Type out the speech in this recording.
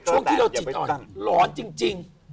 ช่วงที่เราจิตอ่อนร้อนจริง